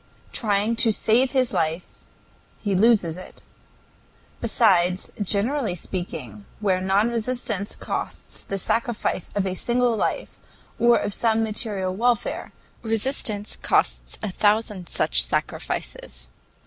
Trying to save his life he loses it. Besides, generally speaking, where non resistance costs the sacrifice of a single life or of some material welfare, resistance costs a thousand such sacrifices.